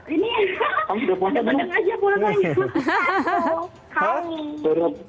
ini bener bener aja puasa itu